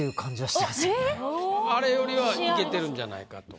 あれよりはいけてるんじゃないかと。